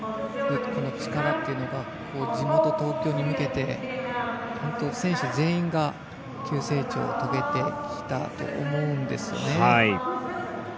力っていうのが地元・東京に向けて選手全員が急成長遂げてきたと思うんですよね。